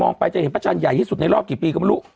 มองไปจะเห็นประชาญใหญ่ที่สุดในรอบกี่ปีก็ไม่รู้